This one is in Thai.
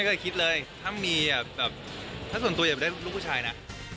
ของเราก็จะมาทางเราเนี่ยแหละยังไม่เคยคิดเลยถ้าส่วนตัวอยากได้ลูกผู้ชายนะ